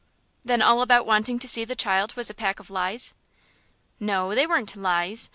"Then all about wanting to see the child was a pack of lies?" "No, they weren't lies.